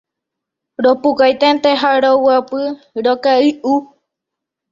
Ropukainténte ha roguapy rokay'u.